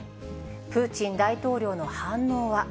プーチン大統領の反応は。